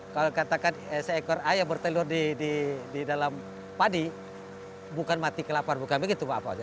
kalau katakan seekor ayam bertelur di dalam padi bukan mati kelapar bukan begitu pak